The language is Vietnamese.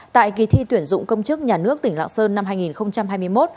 tại kỳ thi tuyển dụng công chức nhà nước tỉnh lạng sơn năm hai nghìn hai mươi một